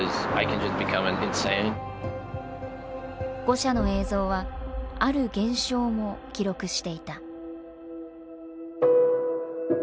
ゴシャの映像はある現象も記録していた。